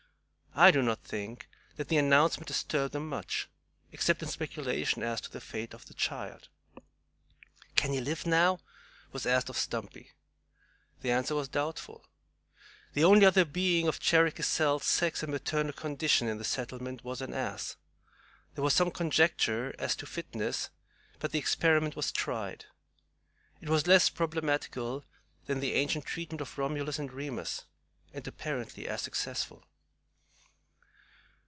I do not think that the announcement disturbed them much, except in speculation as to the fate of the child. "Can he live now?" was asked of Stumpy. The answer was doubtful. The only other being of Cherokee Sal's sex and maternal condition in the settlement was an ass. There was some conjecture as to fitness, but the experiment was tried. It was less problematical than the ancient treatment of Romulus and Remus, and apparently as successful.